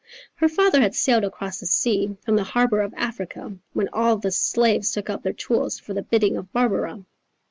"Her father had sailed across the sea From the harbour of Africa When all the slaves took up their tools For the bidding of Barbara.